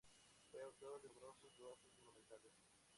Fue autor de numerosos trabajos monumentales.